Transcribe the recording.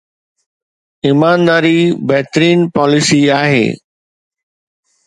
ايمانداري بهترين پاليسي آهي.